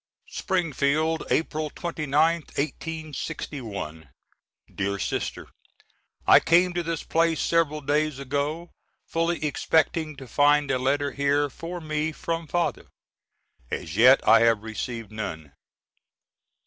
"] Springfield, April 29th, 1861. DEAR SISTER: I came to this place several days ago, fully expecting to find a letter here for me from father. As yet I have received none.